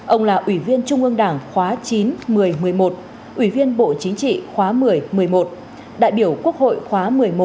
ông là ủy viên trung ương đảng khóa chín một mươi một mươi một ủy viên bộ chính trị khóa một mươi một mươi một đại biểu quốc hội khóa một mươi một một mươi hai một mươi ba